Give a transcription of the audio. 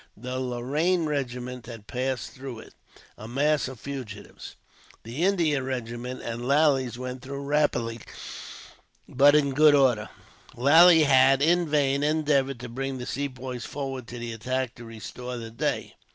The Lorraine regiment had passed through it, a mass of fugitives. The India regiment and Lally's went through rapidly, but in good order. Lally had, in vain, endeavoured to bring the Sepoys forward to the attack, to restore the day.